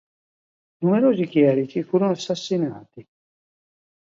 Numerosi chierici furono assassinati.